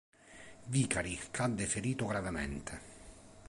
Vicari cadde ferito gravemente.